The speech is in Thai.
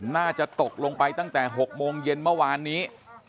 น่าจะตกลงไปตั้งแต่๖โมงเย็นเมื่อวานนี้